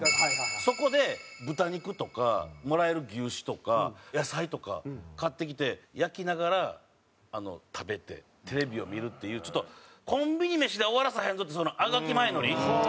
そこで豚肉とかもらえる牛脂とか野菜とか買ってきて焼きながら食べてテレビを見るっていうちょっとコンビニ飯では終わらさへんぞってあがき前乗り。